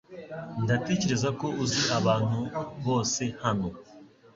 Ndatekereza ko uzi abantu bose hano .